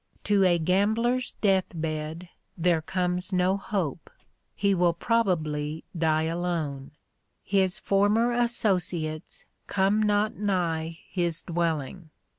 To a gambler's death bed there comes no hope. He will probably die alone. His former associates come not nigh his dwelling.